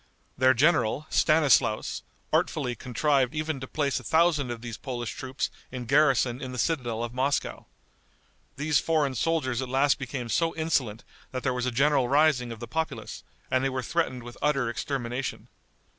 Their general, Stanislaus, artfully contrived even to place a thousand of these Polish troops in garrison in the citadel of Moscow. These foreign soldiers at last became so insolent that there was a general rising of the populace, and they were threatened with utter extermination.